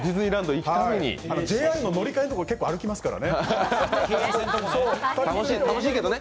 ＪＲの乗り換えの所、結構、歩きますからね。